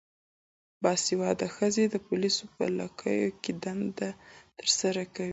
باسواده ښځې د پولیسو په لیکو کې دنده ترسره کوي.